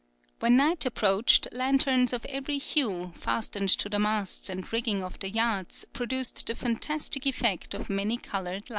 When night approached, lanterns of every hue, fastened to the masts and rigging of the yachts, produced the fantastic effect of many coloured lights.